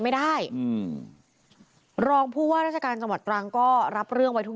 ไม่ได้อืมรองผู้ว่าราชการจังหวัดตรังก็รับเรื่องไว้ทุก